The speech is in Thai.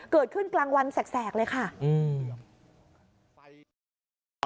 เกิดขึ้นกลางวันแสกเลยค่ะอืม